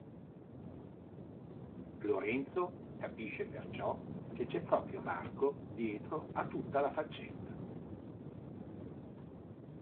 Lorenzo capisce perciò che c'è proprio Marco dietro a tutta la faccenda.